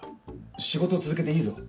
仕事続けていいぞ。